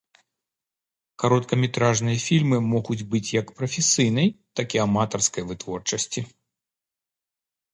Кароткаметражныя фільмы могуць быць як прафесійнай, так і аматарскай вытворчасці.